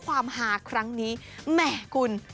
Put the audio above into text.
ความฮาครั้งนี้แหมคุณ